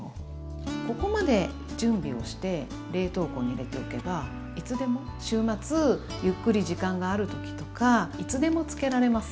ここまで準備をして冷凍庫に入れておけばいつでも週末ゆっくり時間がある時とかいつでも漬けられますよね。